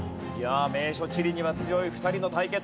名所地理には強い２人の対決。